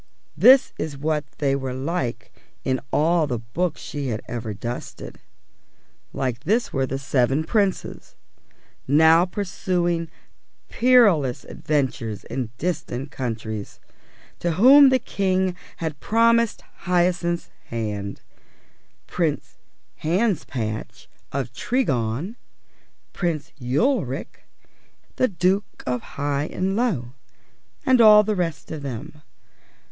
This is what they were like in all the books she had ever dusted; like this were the seven Princes (now pursuing perilous adventures in distant countries) to whom the King had promised Hyacinth's hand Prince Hanspatch of Tregong, Prince Ulric, the Duke of Highanlow, and all the rest of them.